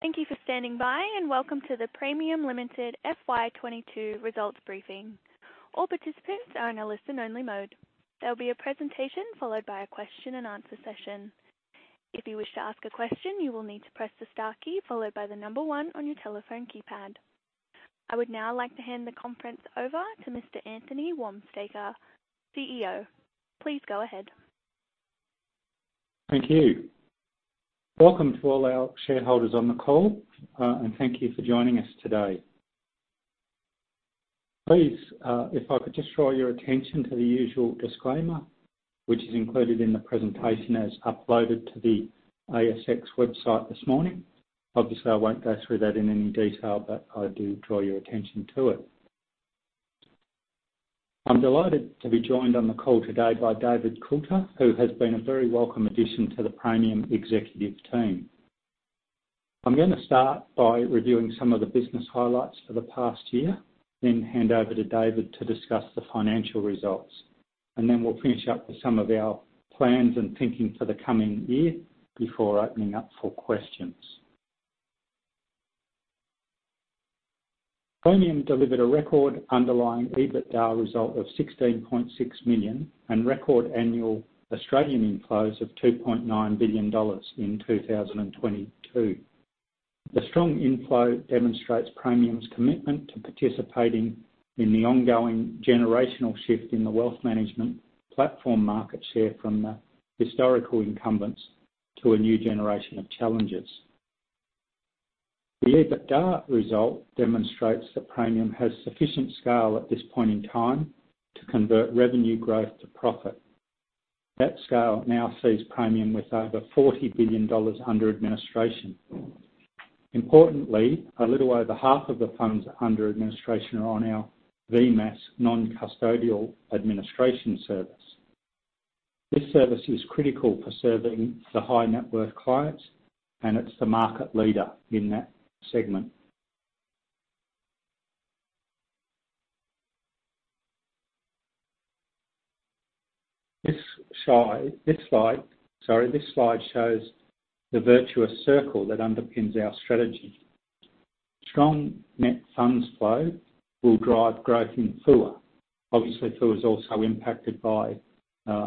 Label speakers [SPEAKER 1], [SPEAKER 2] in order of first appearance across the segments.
[SPEAKER 1] Thank you for standing by, and welcome to the Praemium Limited FY 2022 results briefing. All participants are in a listen only mode. There will be a presentation followed by a question and answer session. If you wish to ask a question, you will need to press the star key followed by the number one on your telephone keypad. I would now like to hand the conference over to Mr. Anthony Wamsteker, CEO. Please go ahead.
[SPEAKER 2] Thank you. Welcome to all our shareholders on the call, and thank you for joining us today. Please, if I could just draw your attention to the usual disclaimer, which is included in the presentation as uploaded to the ASX website this morning. Obviously, I won't go through that in any detail, but I do draw your attention to it. I'm delighted to be joined on the call today by David Coulter, who has been a very welcome addition to the Praemium executive team. I'm going to start by reviewing some of the business highlights for the past year, then hand over to David to discuss the financial results. We'll finish up with some of our plans and thinking for the coming year before opening up for questions. Praemium delivered a record underlying EBITDA result of 16.6 million and record annual Australian inflows of 2.9 billion dollars in 2022. The strong inflow demonstrates Praemium's commitment to participating in the ongoing generational shift in the wealth management platform market share from the historical incumbents to a new generation of challengers. The EBITDA result demonstrates that Praemium has sufficient scale at this point in time to convert revenue growth to profit. That scale now sees Praemium with over 40 billion dollars under administration. Importantly, a little over half of the funds under administration are on our VMAAS non-custodial administration service. This service is critical for serving the high net worth clients, and it's the market leader in that segment. This slide shows the virtuous circle that underpins our strategy. Strong net funds flow will drive growth in FUA. Obviously, FOA is also impacted by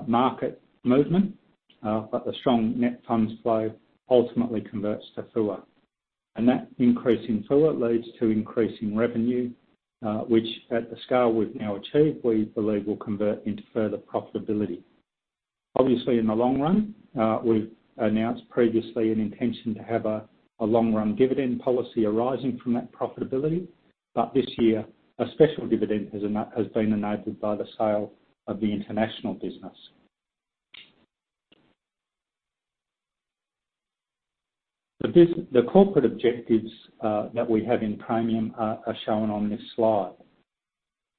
[SPEAKER 2] market movement, but the strong net funds flow ultimately converts to FOA. That increase in FOA leads to increase in revenue, which at the scale we've now achieved, we believe will convert into further profitability. Obviously, in the long run, we've announced previously an intention to have a long-run dividend policy arising from that profitability, but this year, a special dividend has been enabled by the sale of the international business. The corporate objectives that we have in Praemium are shown on this slide.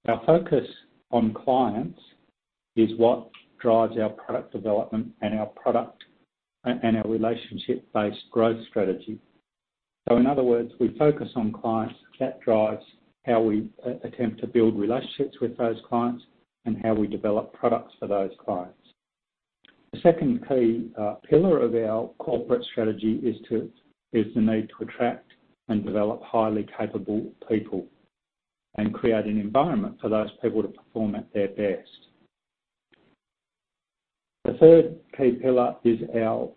[SPEAKER 2] Our focus on clients is what drives our product development and our product and our relationship-based growth strategy. In other words, we focus on clients that drives how we attempt to build relationships with those clients and how we develop products for those clients. The second key pillar of our corporate strategy is the need to attract and develop highly capable people and create an environment for those people to perform at their best. The third key pillar is our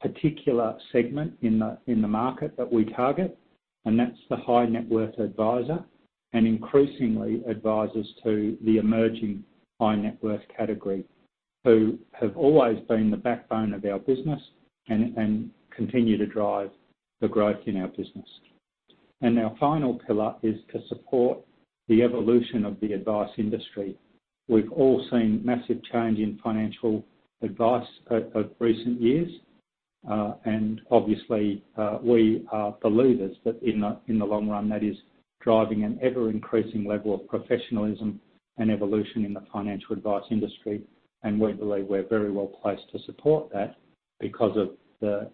[SPEAKER 2] particular segment in the market that we target, and that's the high net worth advisor, and increasingly advisors to the emerging high net worth category, who have always been the backbone of our business and continue to drive the growth in our business. Our final pillar is to support the evolution of the advice industry. We've all seen massive change in financial advice of recent years, and obviously we are believers that in the long run that is driving an ever-increasing level of professionalism and evolution in the financial advice industry. We believe we're very well placed to support that because of the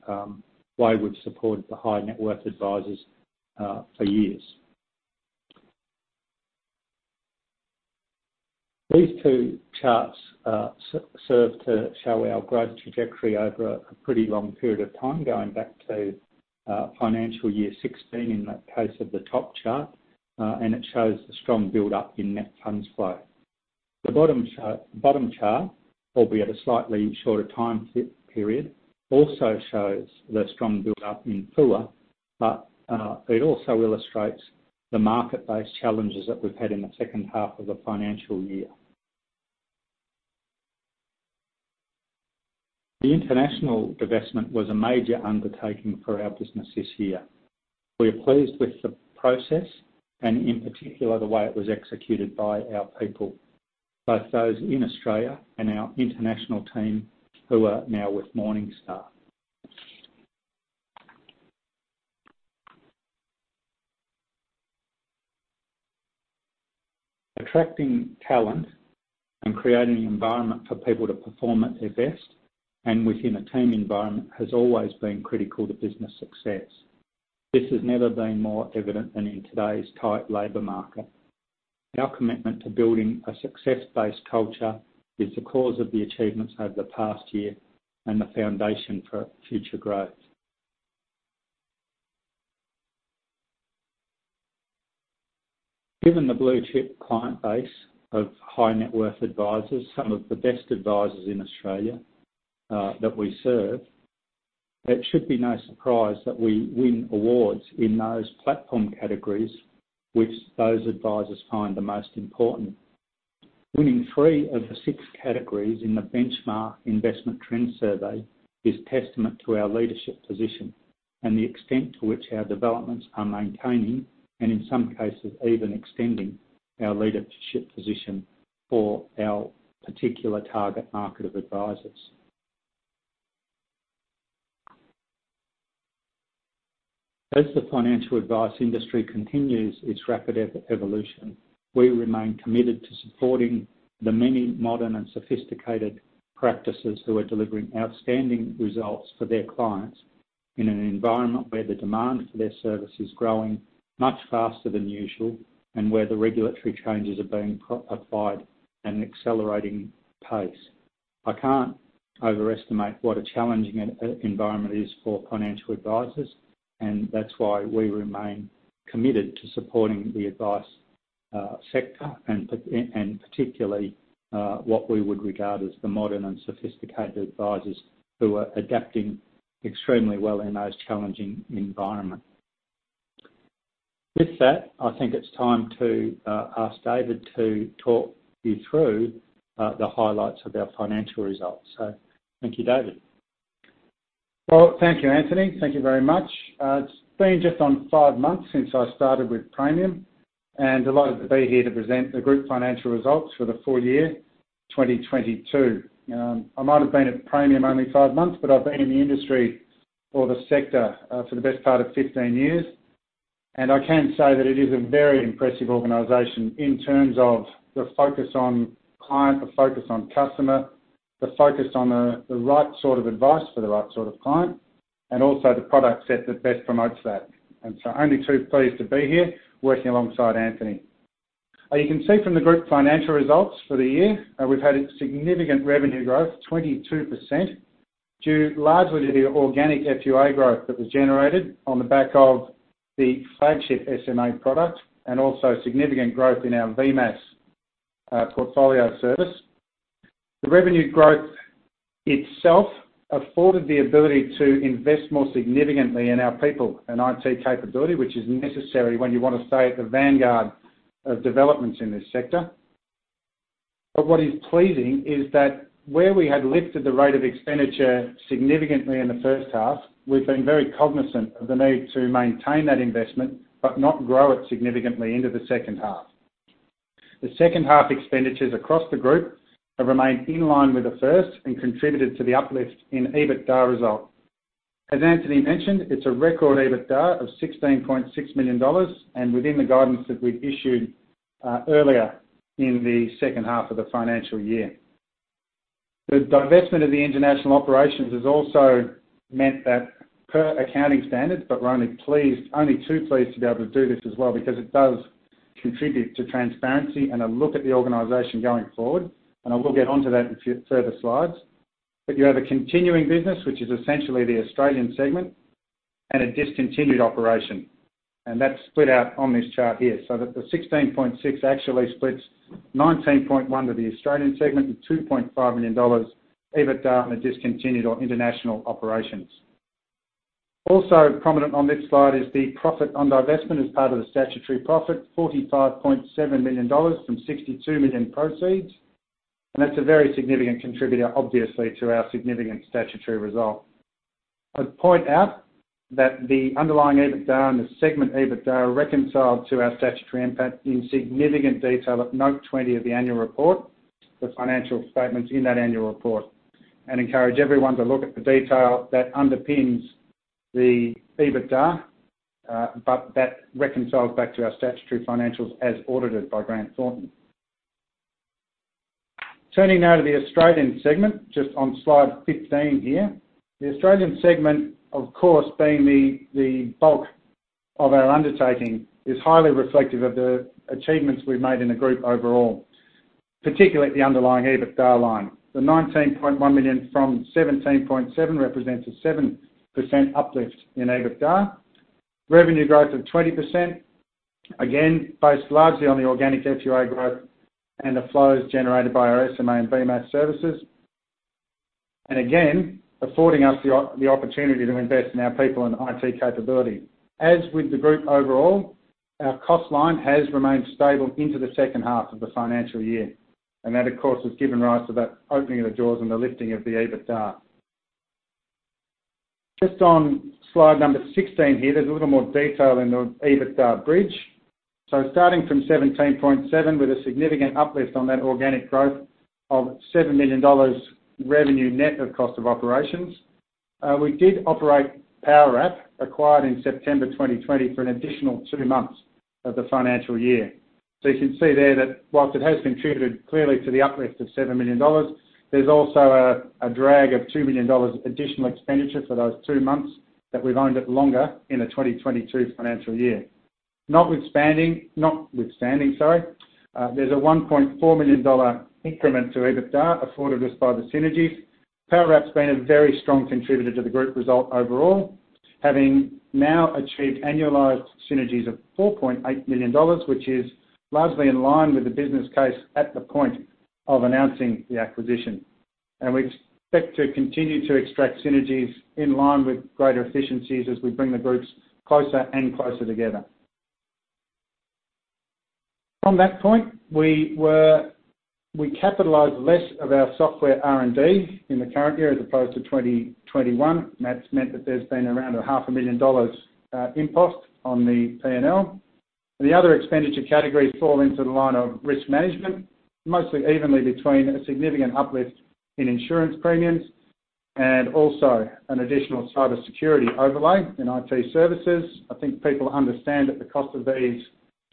[SPEAKER 2] way we've supported the high net worth advisors for years. These two charts serve to show our growth trajectory over a pretty long period of time, going back to financial year 2016 in the case of the top chart, and it shows the strong buildup in net funds flow. The bottom chart, albeit a slightly shorter time period, also shows the strong buildup in FOA, but it also illustrates the market-based challenges that we've had in the second half of the financial year. The international divestment was a major undertaking for our business this year. We are pleased with the process, and in particular, the way it was executed by our people, both those in Australia and our international team who are now with Morningstar. Attracting talent and creating an environment for people to perform at their best and within a team environment has always been critical to business success. This has never been more evident than in today's tight labor market. Our commitment to building a success-based culture is the cause of the achievements over the past year and the foundation for future growth. Given the blue-chip client base of high net worth advisors, some of the best advisors in Australia, that we serve, it should be no surprise that we win awards in those platform categories which those advisors find the most important. Winning three of the six categories in the Benchmark Investment Trends Survey is testament to our leadership position and the extent to which our developments are maintaining, and in some cases even extending, our leadership position for our particular target market of advisors. As the financial advice industry continues its rapid evolution, we remain committed to supporting the many modern and sophisticated practices who are delivering outstanding results for their clients in an environment where the demand for their service is growing much faster than usual and where the regulatory changes are being applied at an accelerating pace. I can't overestimate what a challenging environment is for financial advisors, and that's why we remain committed to supporting the advice sector and particularly what we would regard as the modern and sophisticated advisors who are adapting extremely well in those challenging environment. With that, I think it's time to ask David to talk you through the highlights of our financial results. Thank you, David.
[SPEAKER 3] Well, thank you, Anthony. Thank you very much. It's been just on five months since I started with Praemium, and delighted to be here to present the group financial results for the full year 2022. I might have been at Praemium only five months, but I've been in the industry or the sector, for the best part of 15 years. I can say that it is a very impressive organization in terms of the focus on client, the focus on customer, the focus on the right sort of advice for the right sort of client, and also the product set that best promotes that. Only too pleased to be here working alongside Anthony. You can see from the group financial results for the year that we've had a significant revenue growth, 22%, due largely to the organic FUA growth that was generated on the back of the flagship SMA product and also significant growth in our VMAAS portfolio service. The revenue growth itself afforded the ability to invest more significantly in our people and IT capability, which is necessary when you want to stay at the vanguard of developments in this sector. What is pleasing is that where we had lifted the rate of expenditure significantly in the first half, we've been very cognizant of the need to maintain that investment, but not grow it significantly into the second half. The second half expenditures across the group have remained in line with the first and contributed to the uplift in EBITDA result. As Anthony mentioned, it's a record EBITDA of 16.6 million dollars, and within the guidance that we'd issued earlier in the second half of the financial year. The divestment of the international operations has also meant that per accounting standards, we're only too pleased to be able to do this as well because it does contribute to transparency and a look at the organization going forward, and I will get onto that in further slides. You have a continuing business, which is essentially the Australian segment, and a discontinued operation, and that's split out on this chart here. That the 16.6 million actually splits 19.1 million to the Australian segment and 2.5 million dollars EBITDA in the discontinued or international operations. Also prominent on this slide is the profit on divestment as part of the statutory profit, 45.7 million dollars from 62 million proceeds, and that's a very significant contributor, obviously, to our significant statutory result. I'd point out that the underlying EBITDA and the segment EBITDA are reconciled to our statutory impact in significant detail at note 20 of the annual report, the financial statements in that annual report. Encourage everyone to look at the detail that underpins the EBITDA, but that reconciles back to our statutory financials as audited by Grant Thornton. Turning now to the Australian segment, just on slide 15 here. The Australian segment, of course, being the bulk of our undertaking, is highly reflective of the achievements we've made in the group overall, particularly at the underlying EBITDA line. The 19.1 million from 17.7 represents a 7% uplift in EBITDA. Revenue growth of 20%, again, based largely on the organic FUA growth and the flows generated by our SMA and VMAAS services. Again, affording us the opportunity to invest in our people and IT capability. As with the group overall, our cost line has remained stable into the second half of the financial year. That, of course, has given rise to that opening of the doors and the lifting of the EBITDA. Just on slide number 16 here, there's a little more detail in the EBITDA bridge. Starting from 17.7, with a significant uplift on that organic growth of 7 million dollars revenue net of cost of operations, we did operate Powerwrap, acquired in September 2020, for an additional two months of the financial year. You can see there that while it has contributed clearly to the uplift of 7 million dollars, there's also a drag of 2 million dollars additional expenditure for those two months that we've owned it longer in the 2022 financial year. Notwithstanding, there's a 1.4 million dollar increment to EBITDA afforded us by the synergies. Powerwrap's been a very strong contributor to the group result overall, having now achieved annualized synergies of 4.8 million dollars, which is largely in line with the business case at the point of announcing the acquisition. We expect to continue to extract synergies in line with greater efficiencies as we bring the groups closer and closer together. From that point, we capitalized less of our software R&D in the current year as opposed to 2021. That's meant that there's been around AUD a half a million impost on the P&L. The other expenditure categories fall into the line of risk management, mostly evenly between a significant uplift in insurance premiums and also an additional cybersecurity overlay in IT services. I think people understand that the cost of these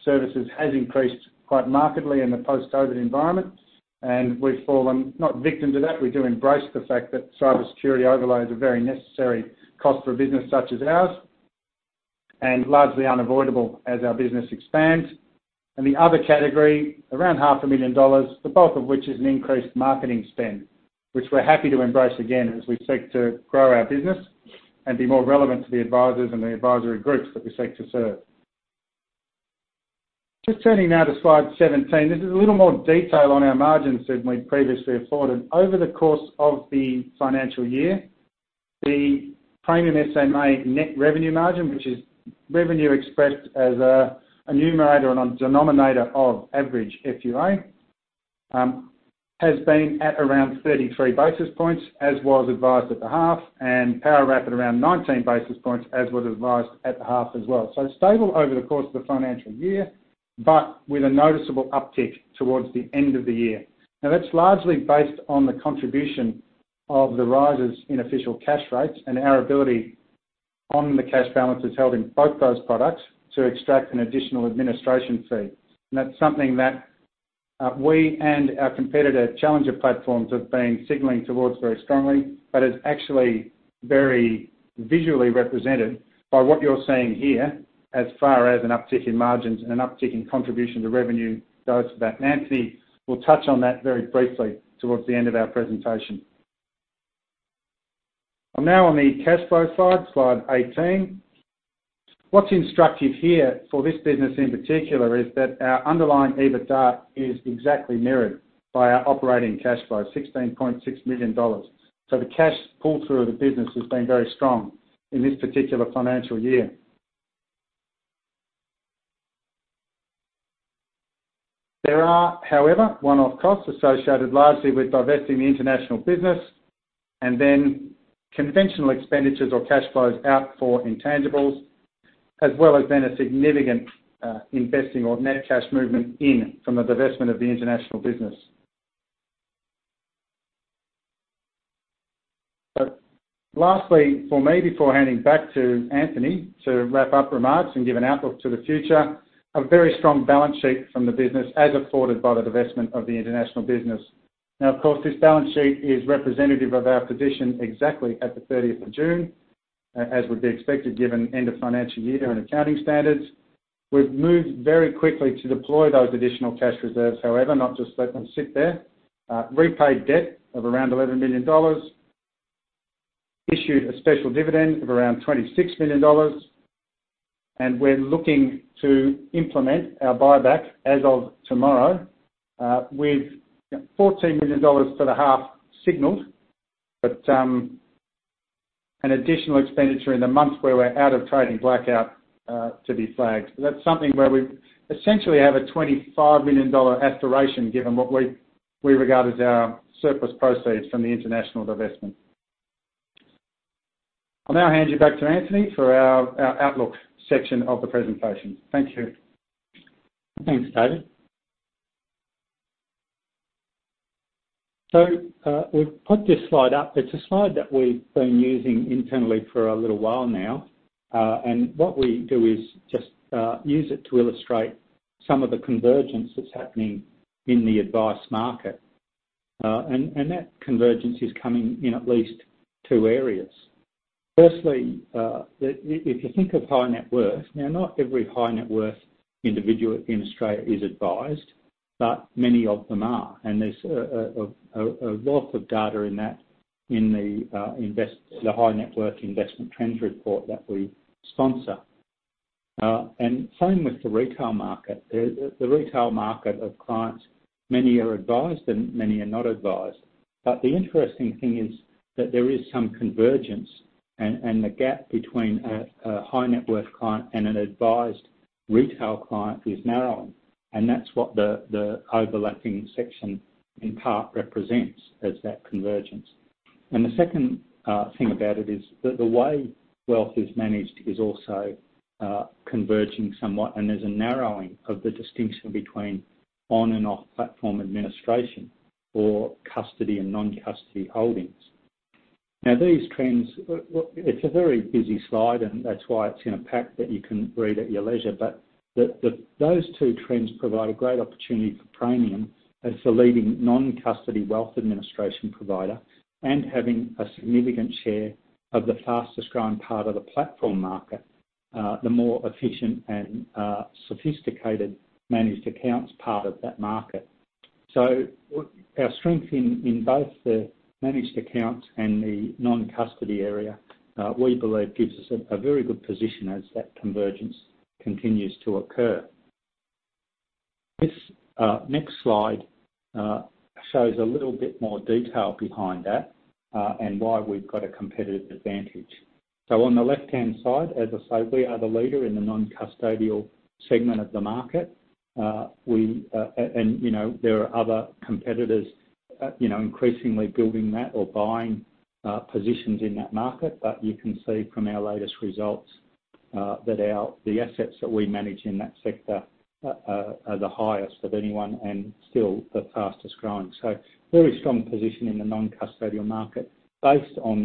[SPEAKER 3] services has increased quite markedly in the post-COVID environment, and we've not fallen victim to that. We do embrace the fact that cybersecurity overlays are a very necessary cost for a business such as ours and largely unavoidable as our business expands. The other category, around AUD half a million, the bulk of which is an increased marketing spend, which we're happy to embrace again as we seek to grow our business and be more relevant to the advisors and the advisory groups that we seek to serve. Just turning now to slide 17. This is a little more detail on our margins than we'd previously afforded. Over the course of the financial year, the Praemium SMA net revenue margin, which is revenue expressed as a numerator and denominator of average FUA, has been at around 33 basis points, as was advised at the half, and Powerwrap at around 19 basis points, as was advised at the half as well. Stable over the course of the financial year, but with a noticeable uptick towards the end of the year. Now, that's largely based on the contribution of the rises in official cash rates and our ability on the cash balances held in both those products to extract an additional administration fee. That's something that we and our competitor challenger platforms have been signaling towards very strongly, but is actually very visually represented by what you're seeing here as far as an uptick in margins and an uptick in contribution to revenue goes. Anthony will touch on that very briefly towards the end of our presentation. I'm now on the cash flow slide 18. What's instructive here for this business, in particular, is that our underlying EBITDA is exactly mirrored by our operating cash flow, 16.6 million dollars. The cash pull-through of the business has been very strong in this particular financial year. There are, however, one-off costs associated largely with divesting the international business and then conventional expenditures or cash flows out for intangibles, as well as then a significant investing or net cash movement in from the divestment of the international business. Last for me, before handing back to Anthony to wrap up remarks and give an outlook to the future, a very strong balance sheet from the business as afforded by the divestment of the international business. Now, of course, this balance sheet is representative of our position exactly at the thirtieth of June, as would be expected given end of financial year and accounting standards. We've moved very quickly to deploy those additional cash reserves, however, not just let them sit there. Repaid debt of around 11 million dollars, issued a special dividend of around 26 million dollars, and we're looking to implement our buyback as of tomorrow, with AUD 14 million for the half signaled, but, an additional expenditure in the months where we're out of trading blackout, to be flagged. That's something where we essentially have an 25 million dollar aspiration given what we regard as our surplus proceeds from the international divestment. I'll now hand you back to Anthony for our outlook section of the presentation. Thank you.
[SPEAKER 2] Thanks, David. We've put this slide up. It's a slide that we've been using internally for a little while now. What we do is just use it to illustrate some of the convergence that's happening in the advice market. That convergence is coming in at least two areas. Firstly, if you think of high net worth, now, not every high net worth individual in Australia is advised, but many of them are. There's a lot of data in that, in the high net worth investment trends report that we sponsor. Same with the retail market. The retail market of clients, many are advised and many are not advised. The interesting thing is that there is some convergence and the gap between a high net worth client and an advised retail client is narrowing. That's what the overlapping section in part represents as that convergence. The second thing about it is the way wealth is managed is also converging somewhat, and there's a narrowing of the distinction between on and off platform administration or custody and non-custody holdings. Now, these trends, well, it's a very busy slide, and that's why it's in a pack that you can read at your leisure. Those two trends provide a great opportunity for Praemium as the leading non-custody wealth administration provider and having a significant share of the fastest growing part of the platform market, the more efficient and sophisticated managed accounts part of that market. Our strength in both the managed account and the non-custody area, we believe gives us a very good position as that convergence continues to occur. This next slide shows a little bit more detail behind that and why we've got a competitive advantage. On the left-hand side, as I said, we are the leader in the non-custodial segment of the market. We and you know there are other competitors you know increasingly building that or buying positions in that market. You can see from our latest results that the assets that we manage in that sector are the highest of anyone and still the fastest growing. Very strong position in the non-custodial market based on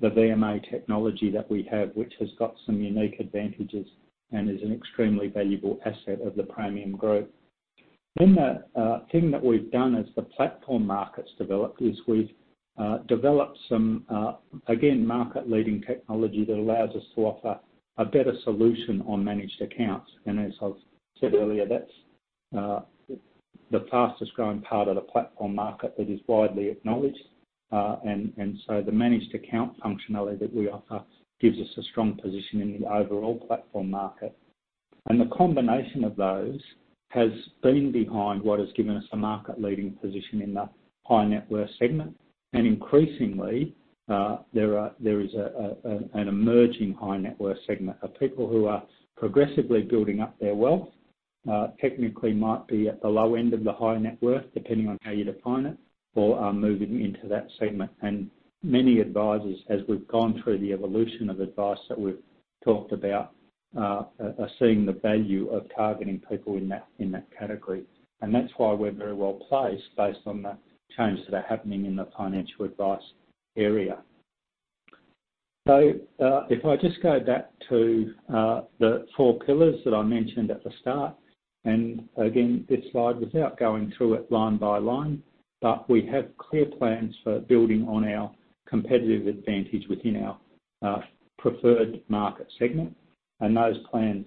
[SPEAKER 2] the VMA technology that we have, which has got some unique advantages and is an extremely valuable asset of the Praemium Group. The thing that we've done as the platform markets develop is we've developed some again market-leading technology that allows us to offer a better solution on managed accounts. As I've said earlier, that's the fastest growing part of the platform market that is widely acknowledged. The managed account functionality that we offer gives us a strong position in the overall platform market. The combination of those has been behind what has given us a market-leading position in the high-net-worth segment. Increasingly, there is an emerging high-net-worth segment of people who are progressively building up their wealth, technically might be at the low end of the high net worth, depending on how you define it or are moving into that segment. Many advisors, as we've gone through the evolution of advice that we've talked about, are seeing the value of targeting people in that, in that category. That's why we're very well placed based on the changes that are happening in the financial advice area. If I just go back to the four pillars that I mentioned at the start, and again, this slide, without going through it line by line, but we have clear plans for building on our competitive advantage within our preferred market segment. Those plans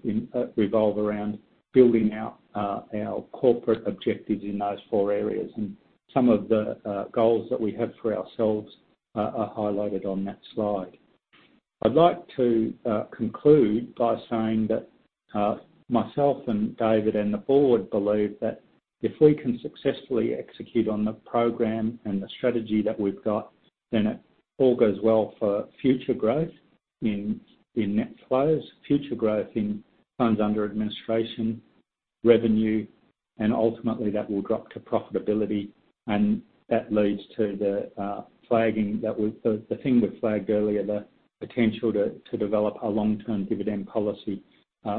[SPEAKER 2] revolve around building out our corporate objectives in those four areas. Some of the goals that we have for ourselves are highlighted on that slide. I'd like to conclude by saying that myself and David and the board believe that if we can successfully execute on the program and the strategy that we've got, then it all goes well for future growth in net flows, future growth in funds under administration, revenue, and ultimately, that will drop to profitability, and that leads to the thing we flagged earlier, the potential to develop a long-term dividend policy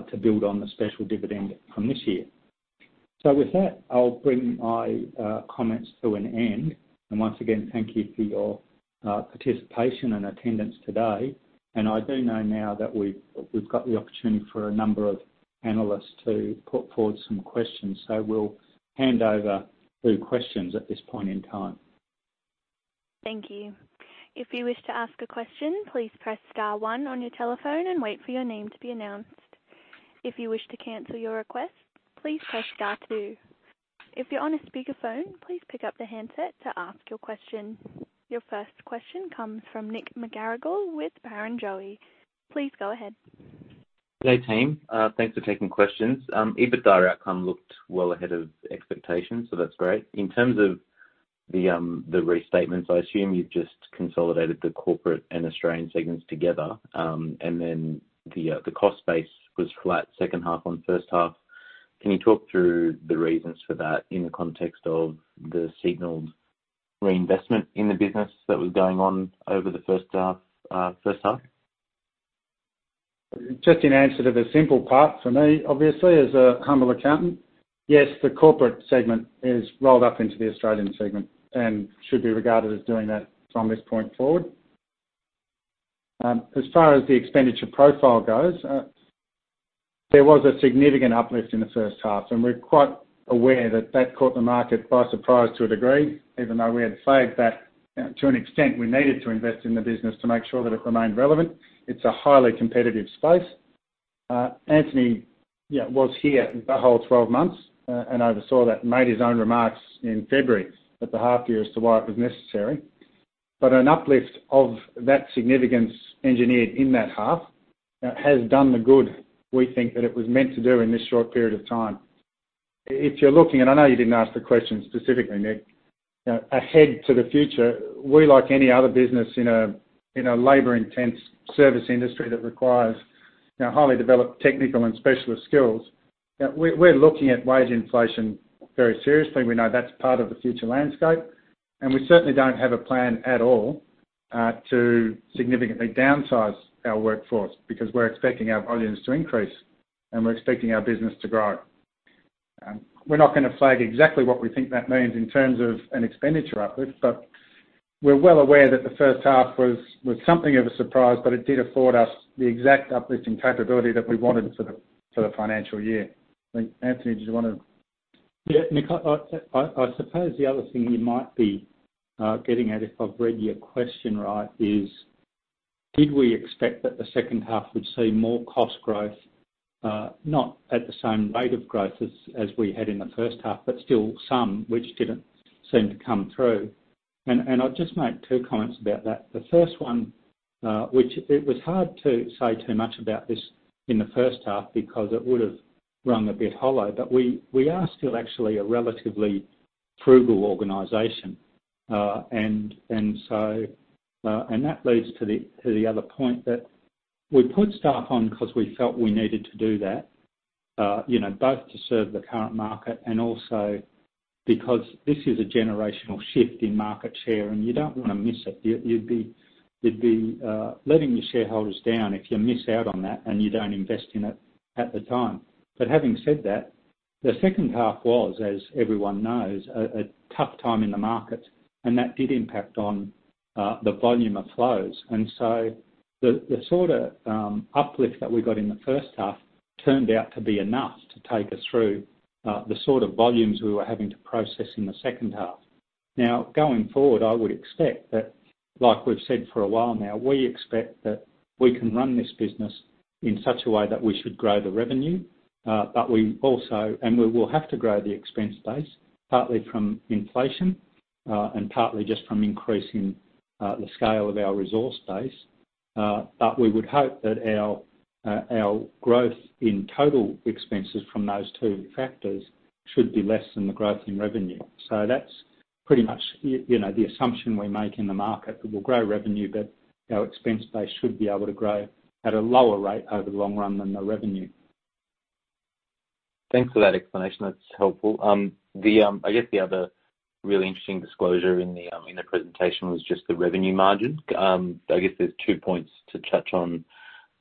[SPEAKER 2] to build on the special dividend from this year. With that, I'll bring my comments to an end. Once again, thank you for your participation and attendance today. I do know now that we've got the opportunity for a number of analysts to put forward some questions. We'll hand over to questions at this point in time.
[SPEAKER 1] Thank you. If you wish to ask a question, please press star one on your telephone and wait for your name to be announced. If you wish to cancel your request, please press star two. If you're on a speakerphone, please pick up the handset to ask your question. Your first question comes from Nick McGarrigle with Barrenjoey. Please go ahead.
[SPEAKER 4] Good day, team. Thanks for taking questions. EBITDA outcome looked well ahead of expectations, so that's great. In terms of the restatements, I assume you've just consolidated the corporate and Australian segments together, and then the cost base was flat second half on first half. Can you talk through the reasons for that in the context of the signaled reinvestment in the business that was going on over the first half?
[SPEAKER 3] Just in answer to the simple part for me, obviously, as a humble accountant, yes, the corporate segment is rolled up into the Australian segment and should be regarded as doing that from this point forward. As far as the expenditure profile goes, there was a significant uplift in the first half, and we're quite aware that that caught the market by surprise to a degree, even though we had flagged that, you know, to an extent we needed to invest in the business to make sure that it remained relevant. It's a highly competitive space. Anthony, yeah, was here the whole 12 months, and oversaw that, and made his own remarks in February at the half year as to why it was necessary. An uplift of that significance engineered in that half has done the good we think that it was meant to do in this short period of time. If you're looking, and I know you didn't ask the question specifically, Nick, ahead to the future, we, like any other business in a labor-intense service industry that requires, you know, highly developed technical and specialist skills, we're looking at wage inflation very seriously. We know that's part of the future landscape, and we certainly don't have a plan at all to significantly downsize our workforce because we're expecting our volumes to increase, and we're expecting our business to grow. We're not going to flag exactly what we think that means in terms of an expenditure uplift, but we're well aware that the first half was something of a surprise, but it did afford us the exact uplifting capability that we wanted for the financial year. Nick, Anthony, did you want to-
[SPEAKER 2] Yeah, Nick, I suppose the other thing you might be getting at, if I've read your question right, is Did we expect that the second half would see more cost growth? Not at the same rate of growth as we had in the first half, but still some which didn't seem to come through. I'll just make two comments about that. The first one, which it was hard to say too much about this in the first half because it would've rung a bit hollow, but we are still actually a relatively frugal organization. That leads to the other point that we put staff on because we felt we needed to do that, you know, both to serve the current market and also because this is a generational shift in market share, and you don't want to miss it. You'd be letting your shareholders down if you miss out on that and you don't invest in it at the time. Having said that, the second half was, as everyone knows, a tough time in the market, and that did impact on the volume of flows. The sort of uplift that we got in the first half turned out to be enough to take us through the sort of volumes we were having to process in the second half. Now, going forward, I would expect that, like we've said for a while now, we expect that we can run this business in such a way that we should grow the revenue, but we also. We will have to grow the expense base, partly from inflation, and partly just from increasing the scale of our resource base. We would hope that our growth in total expenses from those two factors should be less than the growth in revenue. That's pretty much the, you know, the assumption we make in the market, that we'll grow revenue, but our expense base should be able to grow at a lower rate over the long run than the revenue.
[SPEAKER 4] Thanks for that explanation. That's helpful. I guess the other really interesting disclosure in the presentation was just the revenue margin. I guess there's two points to touch on.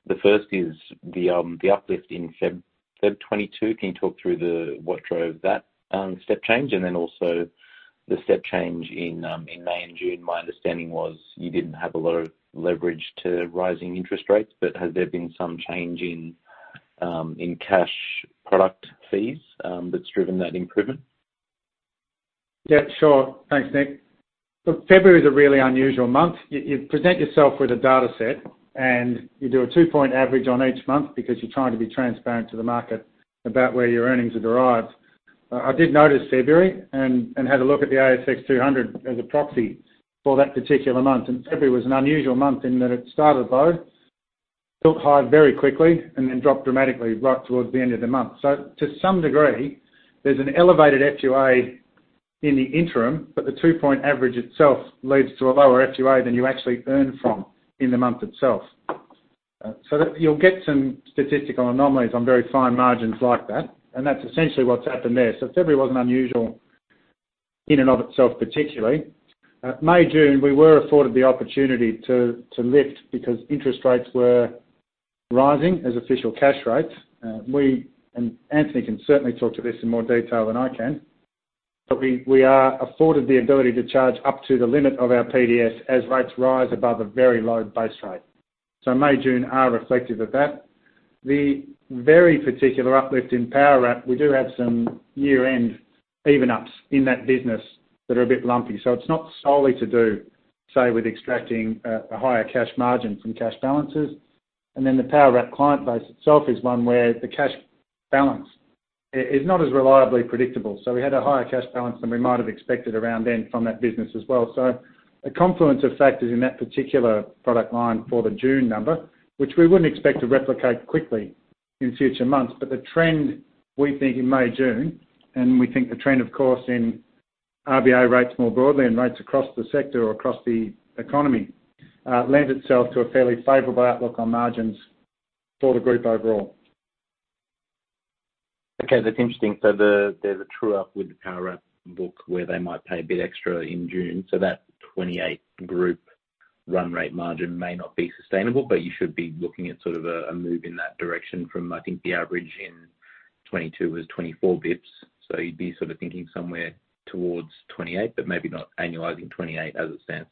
[SPEAKER 4] The first is the uplift in February 2022. Can you talk through what drove that step change? The step change in May and June. My understanding was you didn't have a lot of leverage to rising interest rates, but has there been some change in cash product fees that's driven that improvement?
[SPEAKER 3] Yeah, sure. Thanks, Nick. Look, February is a really unusual month. You present yourself with a data set, and you do a two-point average on each month because you're trying to be transparent to the market about where your earnings are derived. I did notice February and had a look at the ASX 200 as a proxy for that particular month. February was an unusual month in that it started low, built high very quickly, and then dropped dramatically right towards the end of the month. To some degree, there's an elevated FUA in the interim, but the two-point average itself leads to a lower FUA than you actually earn from in the month itself. You'll get some statistical anomalies on very fine margins like that, and that's essentially what's happened there. February was an unusual one in and of itself, particularly. May, June, we were afforded the opportunity to lift because interest rates were rising as official cash rates. We, and Anthony can certainly talk to this in more detail than I can, but we are afforded the ability to charge up to the limit of our PDS as rates rise above a very low base rate. May, June are reflective of that. The very particular uplift in Powerwrap, we do have some year-end even-ups in that business that are a bit lumpy. It's not solely to do, say, with extracting a higher cash margin from cash balances. The Powerwrap client base itself is one where the cash balance is not as reliably predictable. We had a higher cash balance than we might have expected around then from that business as well. A confluence of factors in that particular product line for the June number, which we wouldn't expect to replicate quickly in future months. The trend we think in May, June, of course, in RBA rates more broadly and rates across the sector or across the economy lends itself to a fairly favorable outlook on margins for the group overall.
[SPEAKER 4] Okay, that's interesting. There's a true up with the Powerwrap book where they might pay a bit extra in June. That 28 group run rate margin may not be sustainable, but you should be looking at sort of a move in that direction from, I think the average in 2022 was 24 basis points. You'd be sort of thinking somewhere towards 28, but maybe not annualizing 28 as it stands.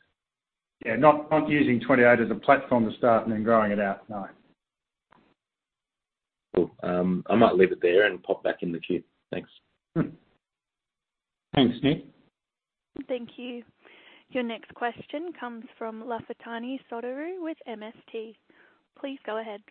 [SPEAKER 3] Yeah. Not using 28 as a platform to start and then growing it out, no.
[SPEAKER 4] Cool. I might leave it there and pop back in the queue. Thanks.
[SPEAKER 3] Thanks, Nick.
[SPEAKER 1] Thank you. Your next question comes from Lafitani Sotiriou with MST. Please go ahead.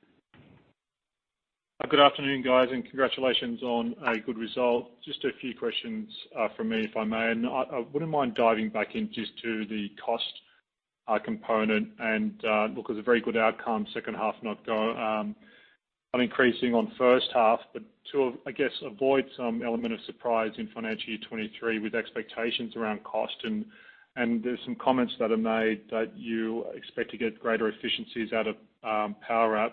[SPEAKER 5] Good afternoon, guys, and congratulations on a good result. Just a few questions from me, if I may. I wouldn't mind diving back in just to the cost component and look as a very good outcome, second half not growing increasing on first half, but to I guess avoid some element of surprise in financial year 2023 with expectations around cost and there's some comments that are made that you expect to get greater efficiencies out of Powerwrap.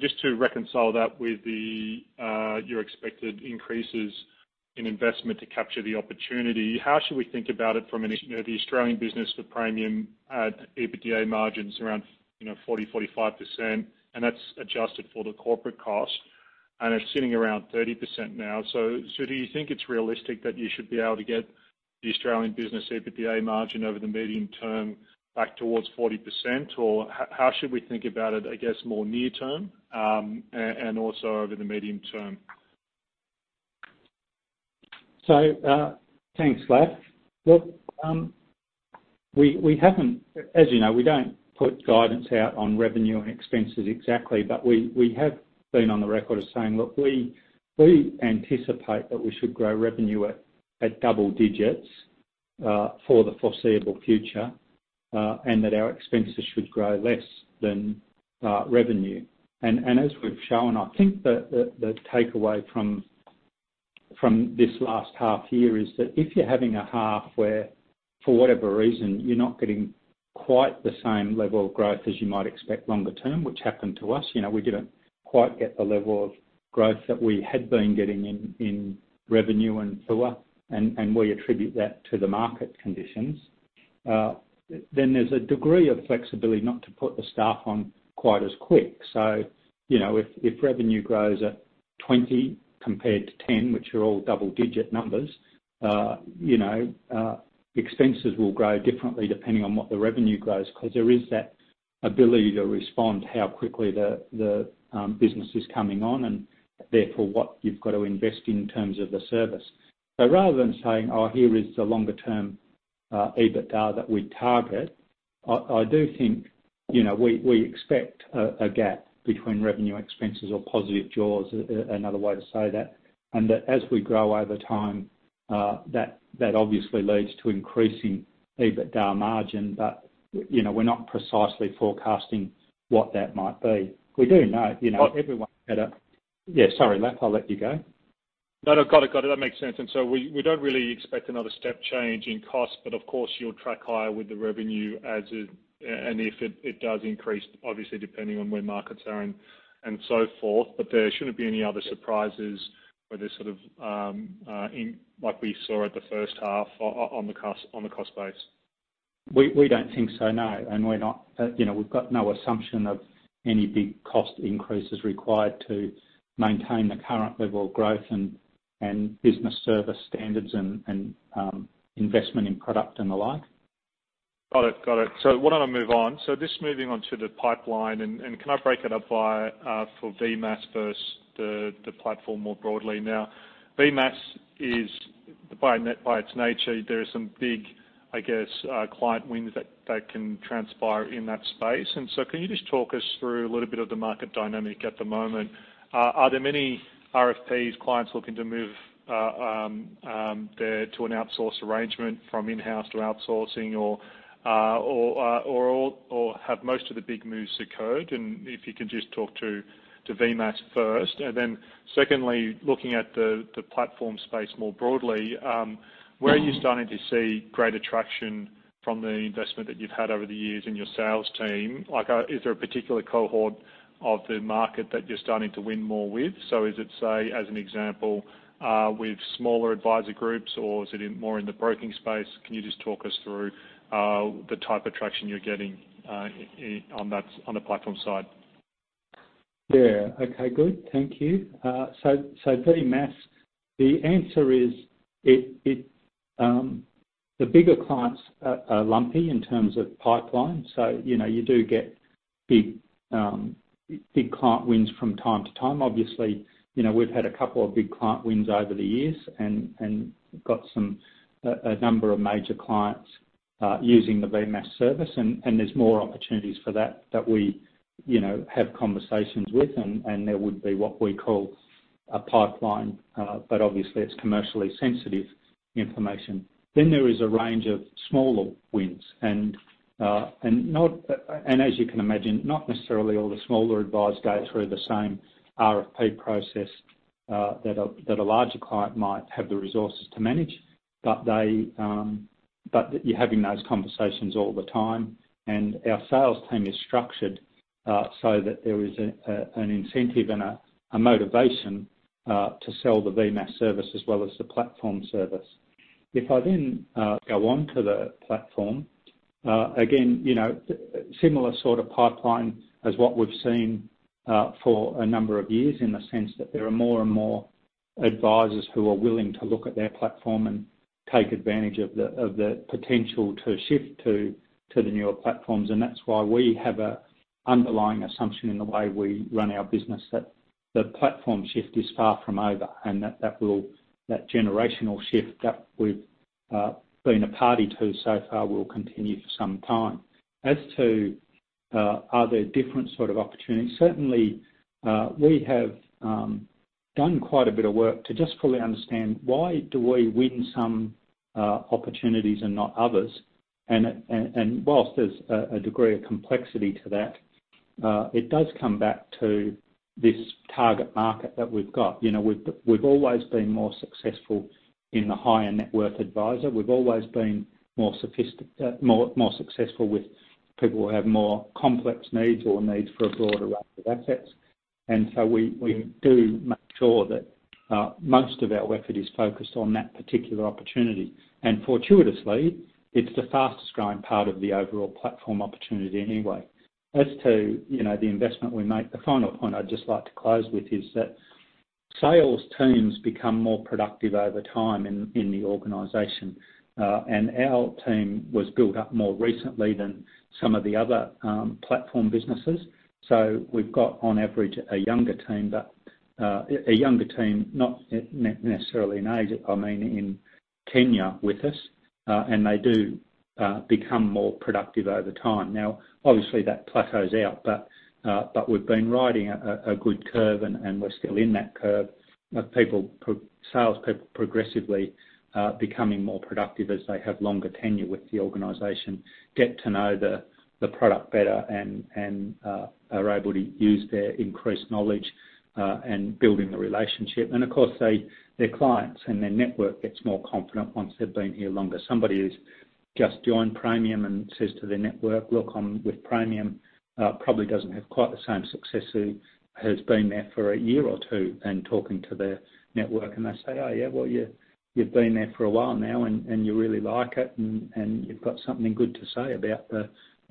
[SPEAKER 5] Just to reconcile that with your expected increases in investment to capture the opportunity, how should we think about it from the Australian business for Praemium at EBITDA margins around 40%-45%, and that's adjusted for the corporate cost, and it's sitting around 30% now. Do you think it's realistic that you should be able to get the Australian business EBITDA margin over the medium term back towards 40%? Or how should we think about it, I guess, more near term, and also over the medium term?
[SPEAKER 2] Thanks, Lafitani. Look, we haven't, as you know, we don't put guidance out on revenue and expenses exactly, but we have been on the record as saying, "Look, we anticipate that we should grow revenue at double digits for the foreseeable future, and that our expenses should grow less than revenue." As we've shown, I think the takeaway from this last half year is that if you're having a half where, for whatever reason, you're not getting quite the same level of growth as you might expect longer term, which happened to us, you know, we didn't quite get the level of growth that we had been getting in revenue and FUA, and we attribute that to the market conditions. There's a degree of flexibility not to put the staff on quite as quick. You know, if revenue grows at 20% compared to 10%, which are all double digit numbers, expenses will grow differently depending on what the revenue grows, because there is that ability to respond how quickly the business is coming on and therefore what you've got to invest in terms of the service. Rather than saying, "Oh, here is the longer term EBITDA that we target," I do think, you know, we expect a gap between revenue expenses or positive jaws, another way to say that, and that as we grow over time, that obviously leads to increasing EBITDA margin. You know, we're not precisely forecasting what that might be. We do know, you know, everyone better.
[SPEAKER 5] But-
[SPEAKER 2] Yeah, sorry, Lafitani, I'll let you go.
[SPEAKER 5] No. Got it. That makes sense. We don't really expect another step change in cost, but of course you'll track higher with the revenue as it, and if it does increase, obviously, depending on where markets are and so forth. There shouldn't be any other surprises where like we saw at the first half on the cost base.
[SPEAKER 2] We don't think so, no. We're not, you know, we've got no assumption of any big cost increases required to maintain the current level of growth and investment in product and the like.
[SPEAKER 5] Got it. Why don't I move on? Just moving on to the pipeline and can I break it up by for VMAAS versus the platform more broadly? Now, VMAAS is by its nature, there are some big, I guess, client wins that can transpire in that space. Can you just talk us through a little bit of the market dynamic at the moment? Are there many RFPs, clients looking to move their to an outsource arrangement from in-house to outsourcing or have most of the big moves occurred? If you can just talk to VMAAS first. Then secondly, looking at the platform space more broadly, where are you starting to see greater traction from the investment that you've had over the years in your sales team? Like, is there a particular cohort of the market that you're starting to win more with? Is it, say, as an example, with smaller advisor groups, or is it more in the broking space? Can you just talk us through the type of traction you're getting in on that on the platform side?
[SPEAKER 2] Yeah. Okay, good. Thank you. VMAAS, the answer is it the bigger clients are lumpy in terms of pipeline. You know, you do get big client wins from time to time. Obviously, you know, we've had a couple of big client wins over the years and got some a number of major clients using the VMAAS service, and there's more opportunities for that we you know have conversations with and there would be what we call a pipeline. But obviously it's commercially sensitive information. There is a range of smaller wins and as you can imagine, not necessarily all the smaller advisors go through the same RFP process that a larger client might have the resources to manage. You're having those conversations all the time. Our sales team is structured so that there is an incentive and a motivation to sell the VMAAS service as well as the platform service. If I then go on to the platform, again, you know, similar sort of pipeline as what we've seen for a number of years, in the sense that there are more and more advisors who are willing to look at their platform and take advantage of the potential to shift to the newer platforms. That's why we have an underlying assumption in the way we run our business, that the platform shift is far from over, and that will, that generational shift that we've been a party to so far will continue for some time. Are there different sort of opportunities? Certainly, we have done quite a bit of work to just fully understand why we win some opportunities and not others. While there's a degree of complexity to that, it does come back to this target market that we've got. You know, we've always been more successful in the higher net worth advisor. We've always been more successful with people who have more complex needs or needs for a broader range of assets. We do make sure that most of our effort is focused on that particular opportunity. Fortuitously, it's the fastest growing part of the overall platform opportunity anyway. As to, you know, the investment we make, the final point I'd just like to close with is that sales teams become more productive over time in the organization. Our team was built up more recently than some of the other platform businesses. We've got, on average, a younger team, but a younger team, not necessarily in age, I mean, in tenure with us. They do become more productive over time. Now, obviously, that plateaus out, but we've been riding a good curve, and we're still in that curve of people, sales people progressively becoming more productive as they have longer tenure with the organization, get to know the product better, and are able to use their increased knowledge in building the relationship. Of course, their clients and their network gets more confident once they've been here longer. Somebody who's just joined Praemium and says to their network, "Look, I'm with Praemium," probably doesn't have quite the same success who has been there for a year or two and talking to their network. They say, "Oh, yeah, well, you've been there for a while now, and you really like it, and you've got something good to say about the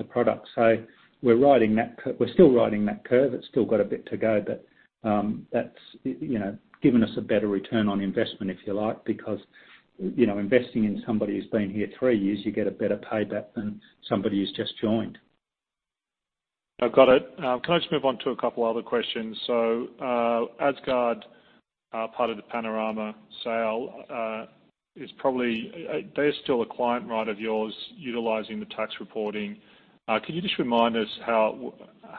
[SPEAKER 2] product." We're still riding that curve. It's still got a bit to go, but that's, you know, given us a better return on investment, if you like, because you know, investing in somebody who's been here three years, you get a better payback than somebody who's just joined.
[SPEAKER 5] I've got it. Can I just move on to a couple other questions? Asgard are part of the Panorama sale, they're still a client, right, of yours utilizing the tax reporting. Can you just remind us how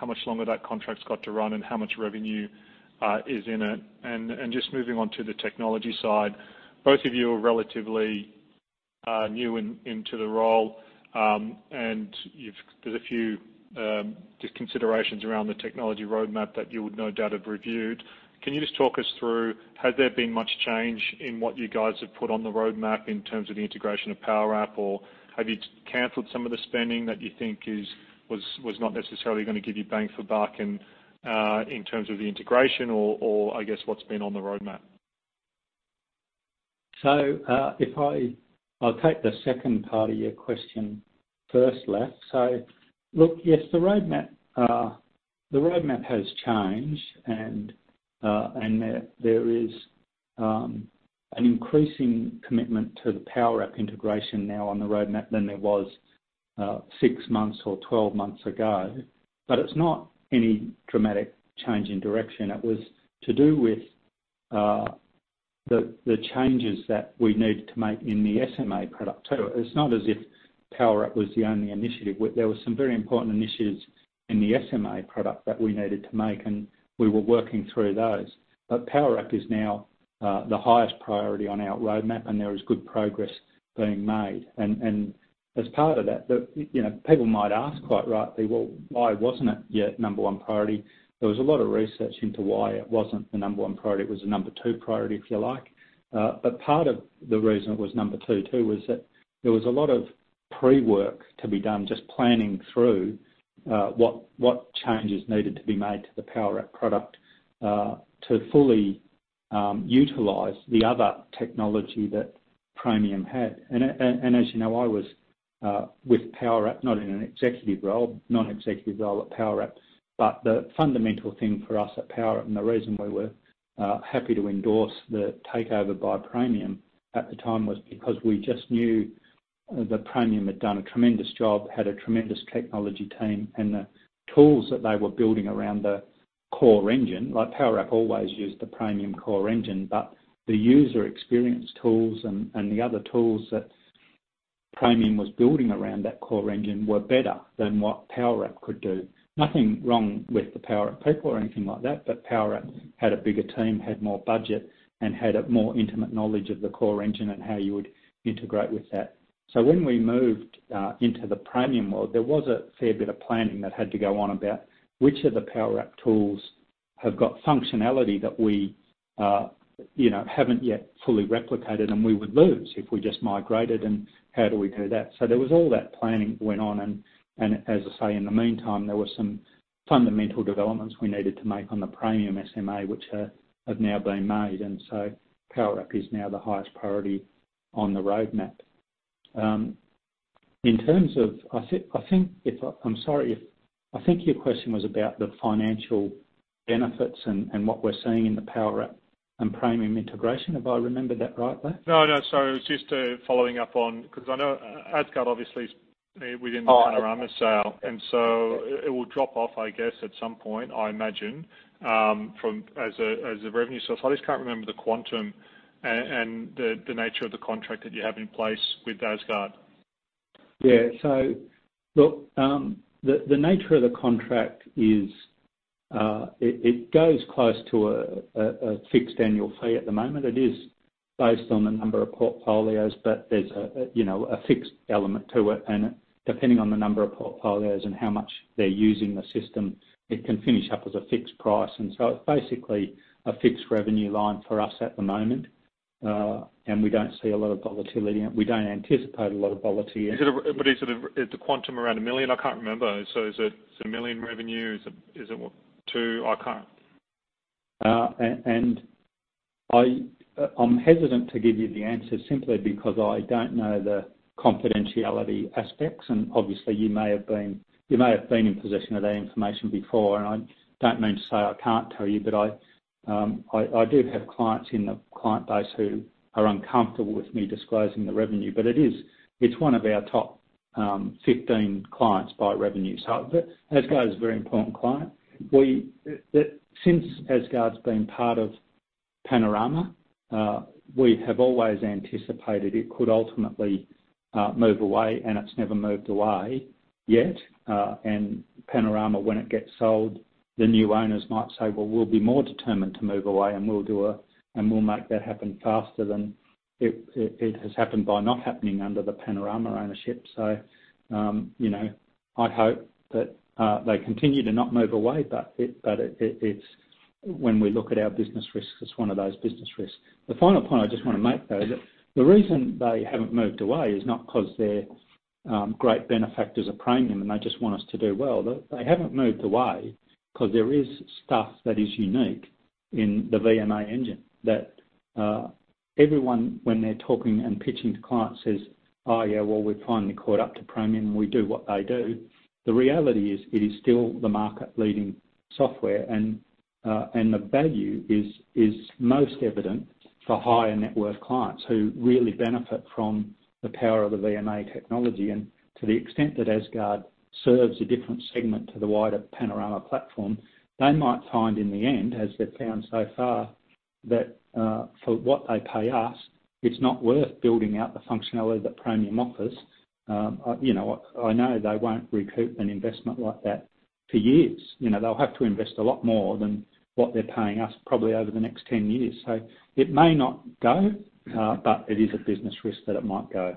[SPEAKER 5] much longer that contract's got to run and how much revenue is in it? Just moving on to the technology side, both of you are relatively new into the role, and you've done a few just considerations around the technology roadmap that you would no doubt have reviewed. Can you just talk us through, has there been much change in what you guys have put on the roadmap in terms of the integration of Powerwrap? Have you canceled some of the spending that you think was not necessarily going to give you bang for buck and, in terms of the integration or, I guess, what's been on the roadmap?
[SPEAKER 2] I'll take the second part of your question first, Lafitani. Look, yes, the roadmap has changed, and there is an increasing commitment to the Powerwrap integration now on the roadmap than there was six months or twelve months ago. It's not any dramatic change in direction. It was to do with the changes that we needed to make in the SMA product too. It's not as if Powerwrap was the only initiative. There were some very important initiatives in the SMA product that we needed to make, and we were working through those. Powerwrap is now the highest priority on our roadmap, and there is good progress being made. As part of that, you know, people might ask quite rightly, "Well, why wasn't it your number one priority?" There was a lot of research into why it wasn't the number one priority. It was the number two priority, if you like. But part of the reason it was number two too was that there was a lot of pre-work to be done just planning through what changes needed to be made to the Powerwrap product to fully utilize the other technology that Praemium had. As you know, I was with Powerwrap, not in an executive role, non-executive role at Powerwrap. The fundamental thing for us at Powerwrap and the reason we were happy to endorse the takeover by Praemium at the time was because we just knew that Praemium had done a tremendous job, had a tremendous technology team. The tools that they were building around the core engine, like Powerwrap always used the Praemium core engine, but the user experience tools and the other tools that Praemium was building around that core engine were better than what Powerwrap could do. Nothing wrong with the Powerwrap people or anything like that, but Powerwrap had a bigger team, had more budget, and had a more intimate knowledge of the core engine and how you would integrate with that. When we moved into the Praemium world, there was a fair bit of planning that had to go on about which of the Powerwrap tools have got functionality that we, you know, haven't yet fully replicated and we would lose if we just migrated, and how do we do that? There was all that planning went on and, as I say, in the meantime, there were some fundamental developments we needed to make on the Praemium SMA, which have now been made. Powerwrap is now the highest priority on the roadmap. In terms of, I'm sorry, I think your question was about the financial benefits and what we're seeing in the Powerwrap and Praemium integration. Have I remembered that right, Lafitani?
[SPEAKER 5] No, no. It was just following up on, 'cause I know Asgard obviously is within-
[SPEAKER 2] Oh.
[SPEAKER 5] The Panorama sale. It will drop off, I guess, at some point, I imagine, from, as a revenue source. I just can't remember the quantum and the nature of the contract that you have in place with Asgard.
[SPEAKER 2] Yeah. Look, the nature of the contract is, it goes close to a fixed annual fee at the moment. It is based on the number of portfolios, but there's a you know fixed element to it. Depending on the number of portfolios and how much they're using the system, it can finish up as a fixed price. It's basically a fixed revenue line for us at the moment. We don't see a lot of volatility, and we don't anticipate a lot of volatility.
[SPEAKER 5] Is the quantum around 1 million? I can't remember. Is it 1 million revenue? Is it 2?
[SPEAKER 3] I'm hesitant to give you the answer simply because I don't know the confidentiality aspects. Obviously, you may have been in possession of that information before. I don't mean to say I can't tell you, but I do have clients in the client base who are uncomfortable with me disclosing the revenue. It is, it's one of our top 15 clients by revenue. Asgard is a very important client. Since Asgard's been part of Panorama, we have always anticipated it could ultimately move away, and it's never moved away yet. Panorama, when it gets sold, the new owners might say, "Well, we'll be more determined to move away, and we'll make that happen faster than it has happened by not happening under the Panorama ownership." You know, I hope that they continue to not move away, but it's when we look at our business risks, it's one of those business risks. The final point I just want to make, though, the reason they haven't moved away is not 'cause they're great benefactors of Praemium, and they just want us to do well. They haven't moved away 'cause there is stuff that is unique in the VMA engine that everyone, when they're talking and pitching to clients, says, "Oh, yeah, well, we finally caught up to Praemium. We do what they do." The reality is it is still the market-leading software and the value is most evident for higher net worth clients who really benefit from the power of the VMA technology. To the extent that Asgard serves a different segment to the wider Panorama platform, they might find in the end, as they've found so far, that for what they pay us, it's not worth building out the functionality that Praemium offers. You know, I know they won't recoup an investment like that for years. You know, they'll have to invest a lot more than what they're paying us probably over the next 10 years. It may not go, but it is a business risk that it might go.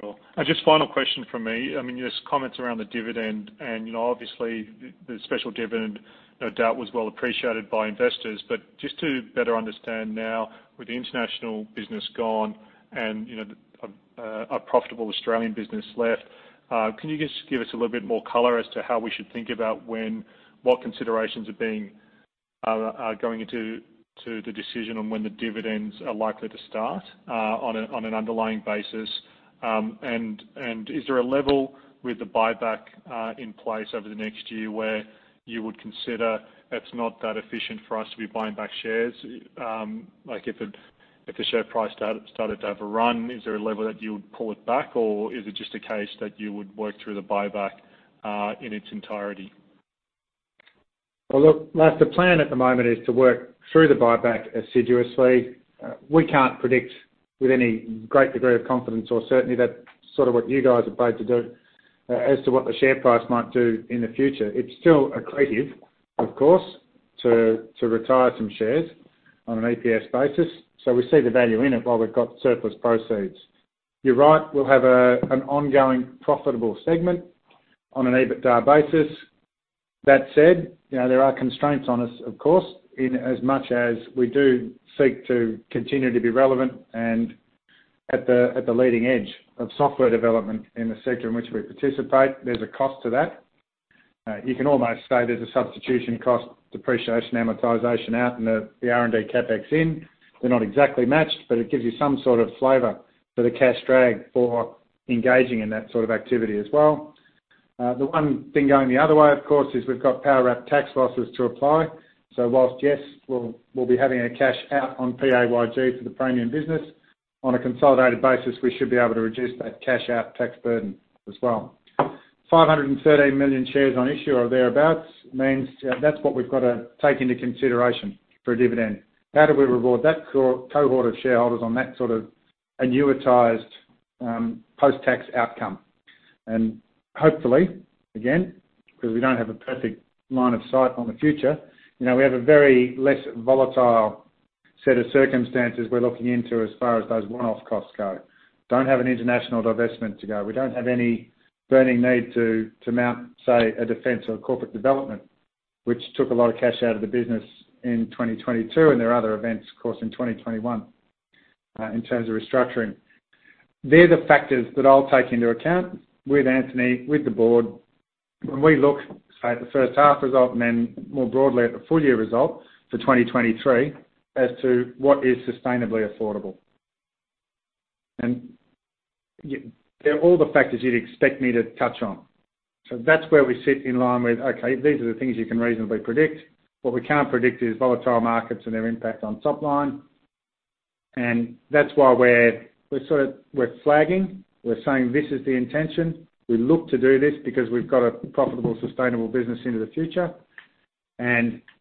[SPEAKER 5] Cool. Just final question from me. I mean, just comments around the dividend and, you know, obviously the special dividend, no doubt, was well appreciated by investors. Just to better understand now with the international business gone and, you know, a profitable Australian business left, can you just give us a little bit more color as to how we should think about when, what considerations are going into the decision on when the dividends are likely to start, on an underlying basis? Is there a level with the buyback in place over the next year where you would consider it's not that efficient for us to be buying back shares? Like if the share price started to have a run, is there a level that you would pull it back, or is it just a case that you would work through the buyback in its entirety?
[SPEAKER 3] Well, look, Lance, the plan at the moment is to work through the buyback assiduously. We can't predict with any great degree of confidence or certainty that sort of what you guys are paid to do as to what the share price might do in the future. It's still accretive, of course, to retire some shares on an EPS basis. So we see the value in it while we've got surplus proceeds. You're right, we'll have an ongoing profitable segment on an EBITDA basis. That said, you know, there are constraints on us, of course, in as much as we do seek to continue to be relevant and at the leading edge of software development in the sector in which we participate. There's a cost to that. You can almost say there's a substitution cost, depreciation, amortization out and the R&D CapEx in. They're not exactly matched, but it gives you some sort of flavor for the cash drag for engaging in that sort of activity as well. The one thing going the other way, of course, is we've got Powerwrap tax losses to apply. Whilst, yes, we'll be having a cash out on PAYG for the Praemium business, on a consolidated basis, we should be able to reduce that cash out tax burden as well. 513 million shares on issue or thereabout means, that's what we've got to take into consideration for a dividend. How do we reward that cohort of shareholders on that sort of annuitized, post-tax outcome? Hopefully, again, because we don't have a perfect line of sight on the future, you know, we have a very less volatile set of circumstances we're looking into as far as those one-off costs go. Don't have an international divestment to go. We don't have any burning need to mount, say, a defense or corporate development, which took a lot of cash out of the business in 2022, and there are other events, of course, in 2021 in terms of restructuring. They're the factors that I'll take into account with Anthony, with the board when we look, say, at the first half result and then more broadly at the full year result for 2023 as to what is sustainably affordable. They're all the factors you'd expect me to touch on. That's where we sit in line with, okay, these are the things you can reasonably predict. What we can't predict is volatile markets and their impact on top line. That's why we're sort of flagging. We're saying this is the intention. We look to do this because we've got a profitable, sustainable business into the future.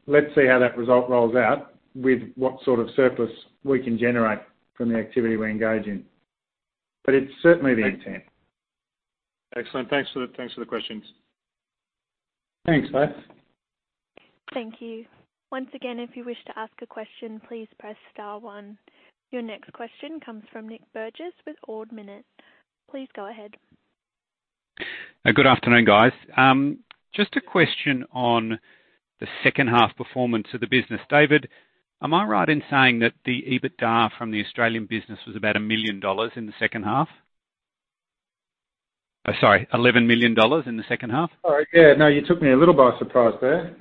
[SPEAKER 3] Let's see how that result rolls out with what sort of surplus we can generate from the activity we engage in. It's certainly the intent.
[SPEAKER 5] Excellent. Thanks for the questions.
[SPEAKER 3] Thanks, Lance.
[SPEAKER 1] Thank you. Once again, if you wish to ask a question, please press star one. Your next question comes from Nic Burgess with Ord Minnett. Please go ahead.
[SPEAKER 6] Good afternoon, guys. Just a question on the second half performance of the business. David, am I right in saying that the EBITDA from the Australian business was about 1 million dollars in the second half? Oh, sorry, 11 million dollars in the second half?
[SPEAKER 3] Oh, yeah. No, you took me a little by surprise there.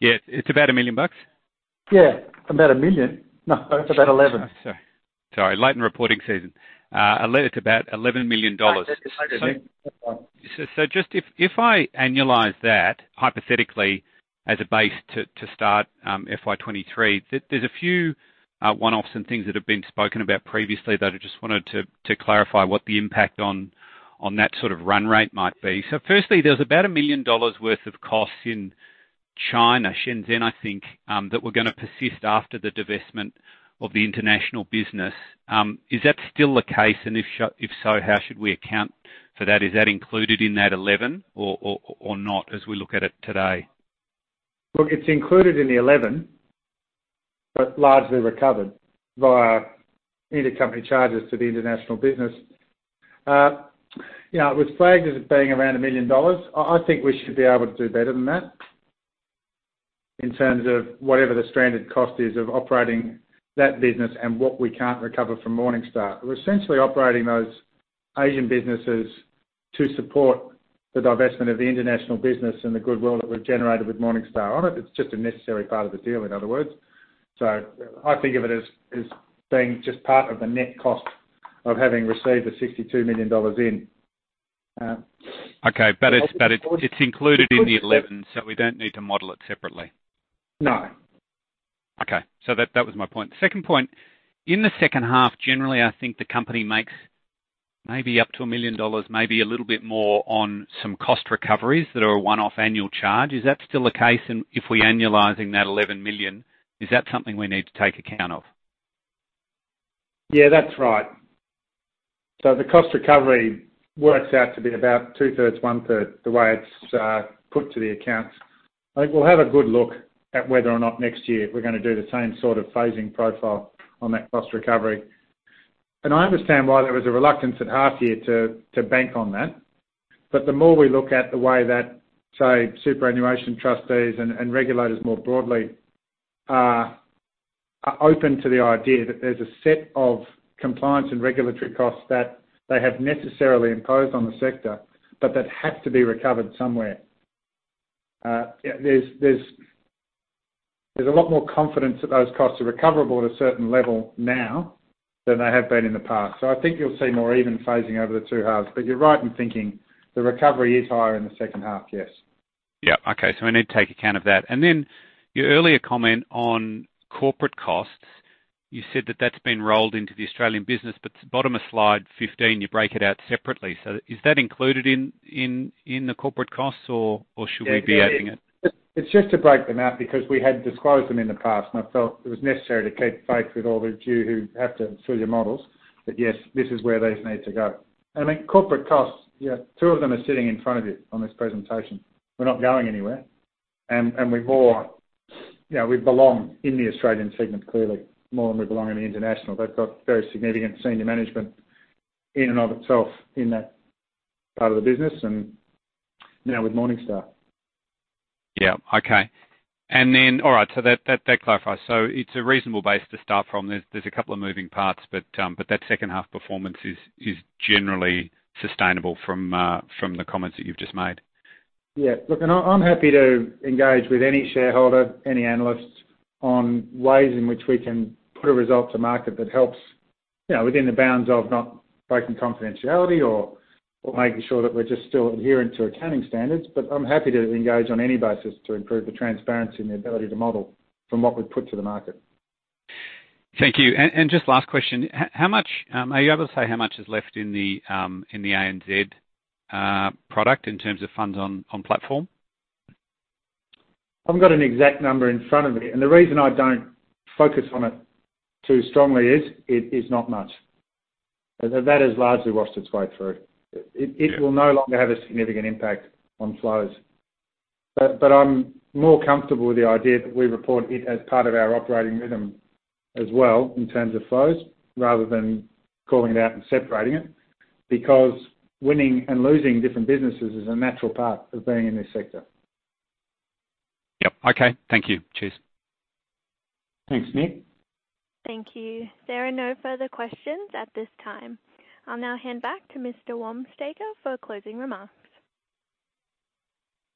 [SPEAKER 6] Yeah, it's about 1 million bucks?
[SPEAKER 3] Yeah, about 1 million. No, it's about 11 million.
[SPEAKER 6] Sorry, late in reporting season. It's about 11 million dollars.
[SPEAKER 3] That's it, Nick. That's right.
[SPEAKER 6] Just if I annualize that hypothetically as a base to start FY 2023, there's a few one-offs and things that have been spoken about previously that I just wanted to clarify what the impact on that sort of run rate might be. Firstly, there's about 1 million dollars worth of costs in China, Shenzhen, I think, that were going to persist after the divestment of the international business. Is that still the case? And if so, how should we account for that? Is that included in that 11 millionor not as we look at it today?
[SPEAKER 3] Look, it's included in the 11 million, but largely recovered via intercompany charges to the international business. You know, it was flagged as it being around 1 million dollars. I think we should be able to do better than that in terms of whatever the stranded cost is of operating that business and what we can't recover from Morningstar. We're essentially operating those Asian businesses to support the divestment of the international business and the goodwill that we've generated with Morningstar on it. It's just a necessary part of the deal, in other words. I think of it as being just part of the net cost of having received the 62 million dollars in.
[SPEAKER 6] Okay. It's included in the 11 million, so we don't need to model it separately.
[SPEAKER 3] No.
[SPEAKER 6] Okay. That was my point. Second point, in the second half, generally, I think the company makes maybe up to 1 million dollars, maybe a little bit more on some cost recoveries that are a one-off annual charge. Is that still the case? If we're annualizing that 11 million, is that something we need to take account of?
[SPEAKER 3] Yeah, that's right. The cost recovery works out to be about two-thirds, one-third, the way it's put to the accounts. I think we'll have a good look at whether or not next year we're going to do the same sort of phasing profile on that cost recovery. I understand why there was a reluctance at half year to bank on that. The more we look at the way that, say, superannuation trustees and regulators more broadly are open to the idea that there's a set of compliance and regulatory costs that they have necessarily imposed on the sector, but that have to be recovered somewhere. Yeah, there's a lot more confidence that those costs are recoverable at a certain level now than they have been in the past. I think you'll see more even phasing over the two halves. You're right in thinking the recovery is higher in the second half. Yes.
[SPEAKER 6] Yeah. Okay. We need to take account of that. Your earlier comment on corporate costs, you said that that's been rolled into the Australian business, but bottom of slide 15, you break it out separately. Is that included in the corporate costs or should we be adding it?
[SPEAKER 3] It's just to break them out because we had disclosed them in the past, and I felt it was necessary to keep faith with all of you who have to fill your models. Yes, this is where these need to go. I mean, corporate costs, you know, two of them are sitting in front of you on this presentation. We're not going anywhere. We're more, you know, we belong in the Australian segment clearly more than we belong in the international. They've got very significant senior management in and of itself in that part of the business and now with Morningstar.
[SPEAKER 6] All right, that clarifies. It's a reasonable base to start from. There's a couple of moving parts, but that second half performance is generally sustainable from the comments that you've just made.
[SPEAKER 3] Yeah. Look, I'm happy to engage with any shareholder, any analysts on ways in which we can put a result to market that helps, you know, within the bounds of not breaking confidentiality or making sure that we're just still adherent to accounting standards. But I'm happy to engage on any basis to improve the transparency and the ability to model from what we've put to the market.
[SPEAKER 6] Thank you. Just last question, how much are you able to say how much is left in the ANZ product in terms of funds on platform?
[SPEAKER 3] I haven't got an exact number in front of me, and the reason I don't focus on it too strongly is it is not much. That has largely washed its way through. It will no longer have a significant impact on flows. I'm more comfortable with the idea that we report it as part of our operating rhythm as well in terms of flows, rather than calling it out and separating it, because winning and losing different businesses is a natural part of being in this sector.
[SPEAKER 6] Yep. Okay. Thank you. Cheers.
[SPEAKER 3] Thanks, Nick.
[SPEAKER 1] Thank you. There are no further questions at this time. I'll now hand back to Mr. Wamsteker for closing remarks.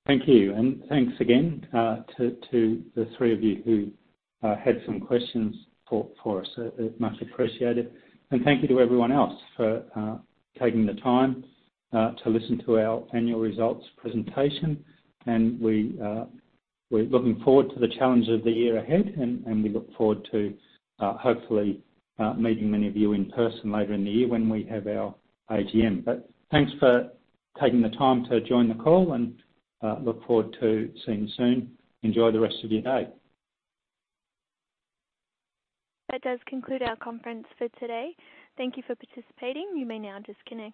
[SPEAKER 2] Thank you. Thanks again to the three of you who had some questions for us. Much appreciated. Thank you to everyone else for taking the time to listen to our annual results presentation. We're looking forward to the challenge of the year ahead, and we look forward to hopefully meeting many of you in person later in the year when we have our AGM. Thanks for taking the time to join the call, and look forward to seeing you soon. Enjoy the rest of your day.
[SPEAKER 1] That does conclude our conference for today. Thank you for participating. You may now disconnect.